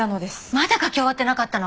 まだ書き終わってなかったの？